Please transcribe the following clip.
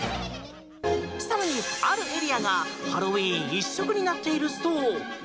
更に、あるエリアがハロウィーン一色になっているそう。